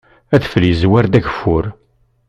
Adfel yezwar-d ageffur.